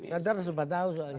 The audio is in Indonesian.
radar sempat tahu soalnya